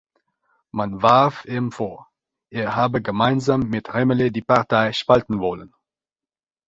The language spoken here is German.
Man warf ihm vor, er habe gemeinsam mit Remmele die Partei spalten wollen.